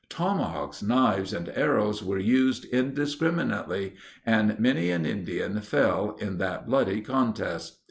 Tomahawks, knives, and arrows, were used indiscriminately, and many an Indian fell in that bloody contest.